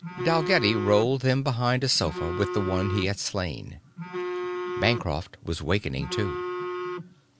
Dalgetty rolled them behind a sofa with the one he had slain. Bancroft was wakening too.